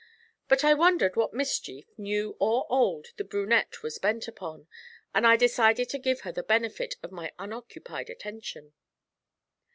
But I wondered what mischief, new or old, the brunette was bent upon, and I decided to give her the benefit of my unoccupied attention.